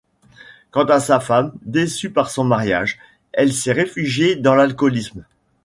Quant à sa femme, déçue par son mariage, elle s'est réfugiée dans l'alcoolisme.